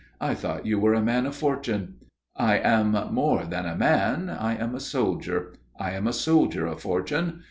"I thought you were a man of fortune." "I am more than a man. I am a soldier. I am a soldier of Fortune.